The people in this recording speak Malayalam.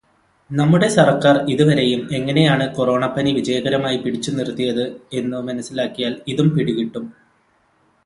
നമ്മുടെ സർക്കാർ ഇതുവരെയും എങ്ങനെയാണ് കൊറോണപ്പനി വിജയകരമായി പിടിച്ചു നിർത്തിയത് എന്നു മനസ്സിലാക്കിയാൽ ഇതും പിടികിട്ടും.